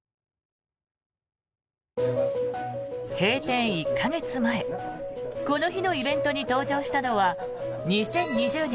閉店１か月前この日のイベントに登場したのは２０２０年